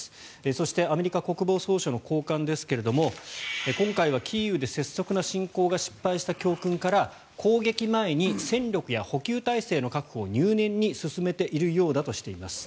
そしてアメリカ国防総省の高官ですが今回はキーウで拙速な侵攻が失敗した教訓から攻撃前に戦力や補給体制の確保を入念に進めているようだとしています。